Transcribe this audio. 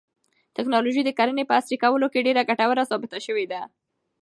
تکنالوژي د کرنې په عصري کولو کې ډېره ګټوره ثابته شوې ده.